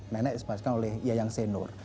nenek disebaskan oleh yayang senur